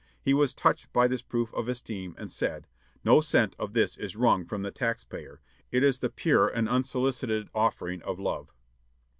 He was touched by this proof of esteem, and said: "No cent of this is wrung from the tax payer; it is the pure and unsolicited offering of love."